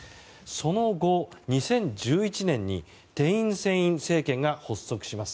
その後、２０１１年にテイン・セイン政権が発足します。